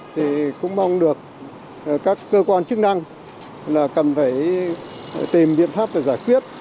thì cũng mong được các cơ quan chức năng là cần phải tìm biện pháp để giải quyết